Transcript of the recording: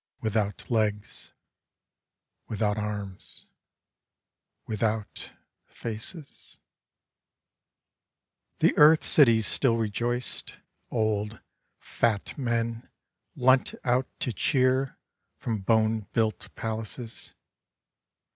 Without legs, Without arms, Without faces —... The earth cities still rejoiced. Old, fat men leant out to cheer From bone built palaces.